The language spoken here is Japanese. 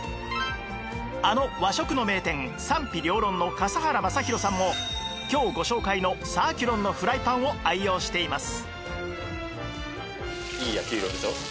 あの和食の名店賛否両論の笠原将弘さんも今日ご紹介のサーキュロンのフライパンを愛用しています